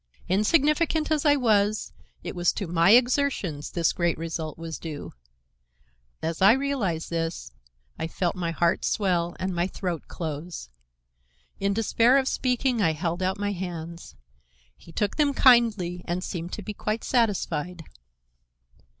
Insignificant as I was, it was to my exertions this great result was due. As I realized this, I felt my heart swell and my throat close. In despair of speaking I held out my hands. He took them kindly and seemed to be quite satisfied.